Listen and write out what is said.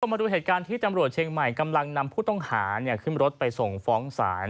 มาดูเหตุการณ์ที่ตำรวจเชียงใหม่กำลังนำผู้ต้องหาขึ้นรถไปส่งฟ้องศาล